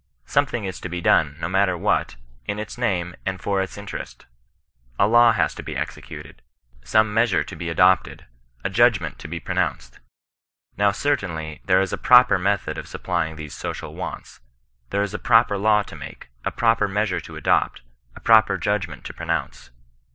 Something is to be done, no matter what, in its name and for its inte rest ; a law has to be executed, some measure to be adop ted, a judgment to be pronounced. Now, certainly, there is a proper method of supplying these social wants ; there is a proper law to make, a proper measure to adopt, a proper judgment to pronounce.